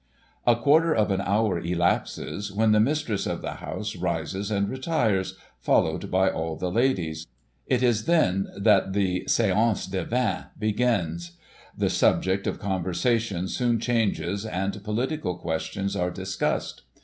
A quarter of an hour elapses, when the mistress of the house rises and retires, followed by all the ladies. It is then that Digiti ized by Google 1844] "RUNNING REIN." 247. the siance de vin begins. The subject of conversation soon changes, and political questions are discussed.